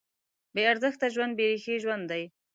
بېارزښته ژوند بېریښې ژوند دی.